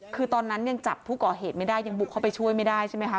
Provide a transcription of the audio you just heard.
คือตอนนั้นยังจับผู้ก่อเหตุไม่ได้ยังบุกเข้าไปช่วยไม่ได้ใช่ไหมคะ